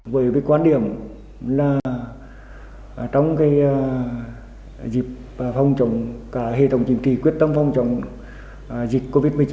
với cái quan điểm là trong cái dịp phong trọng cả hệ thống chính trị quyết tâm phong trọng dịch covid một mươi chín